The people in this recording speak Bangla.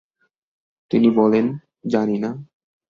তিনি বলেন, জানি না।